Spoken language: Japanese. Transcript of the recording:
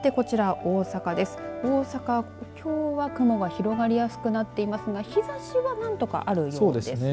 大阪は、きょうは雲が広がりやすくなっていますが日ざしは何とかあるようです。